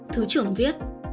thứ trưởng viết